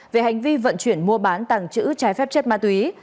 về hành vi vận chuyển mua bán tặng chữ trái phép chất ma túy